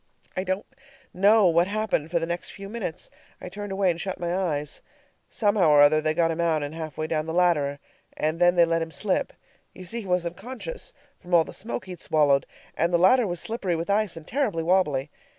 I don't know what happened for the next few minutes; I turned away and shut my eyes. Somehow or other they got him out and halfway down the ladder, and then they let him slip. You see, he was unconscious from all the smoke he'd swallowed, and the ladder was slippery with ice and terribly wobbly.